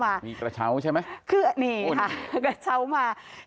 ว่าเราก็ได้เป็นเท่าที่จังหลวงจะกาวอ้างเลย